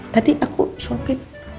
tadi aku surpi